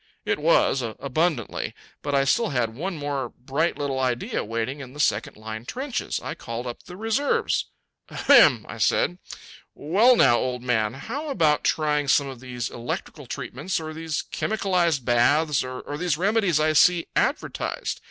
It was abundantly. But I still had one more bright little idea waiting in the second line trenches. I called up the reserves. "Ahem!" I said. "Well now, old man, how about trying some of these electrical treatments or these chemicalized baths or these remedies I see advertised?